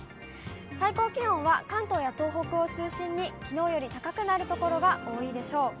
最高気温は、関東や東北を中心に、きのうより高くなる所が多いでしょう。